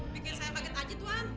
bikin saya baget aja tuhan